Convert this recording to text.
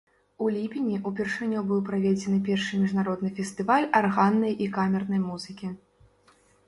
У ліпені ўпершыню быў праведзены першы міжнародны фестываль арганнай і камернай музыкі.